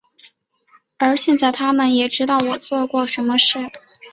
而现在他们也知道我做过什么事。